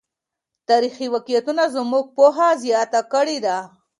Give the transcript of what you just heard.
تاریخي واقعیتونه زموږ پوهه زیاته کړې ده.